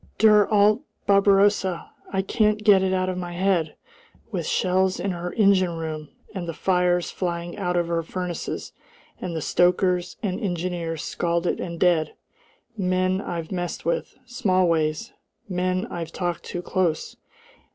"Der alte Barbarossa! I can't get it out of my head with shells in her engine room, and the fires flying out of her furnaces, and the stokers and engineers scalded and dead. Men I've messed with, Smallways men I've talked to close!